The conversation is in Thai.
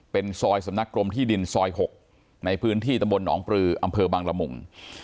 เป็นซอยสำนักกรมที่ดินซอย๖ในพื้นที่ตำบลหนองปลืออำเภอบังละมุง